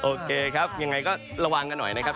โอเคครับยังไงก็ระวังกันหน่อยนะครับ